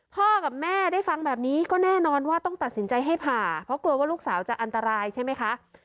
กับแม่ได้ฟังแบบนี้ก็แน่นอนว่าต้องตัดสินใจให้ผ่าเพราะกลัวว่าลูกสาวจะอันตรายใช่ไหมคะ